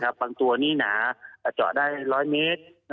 บางตัวนี้หนาเจาะได้๑๐๐เมตร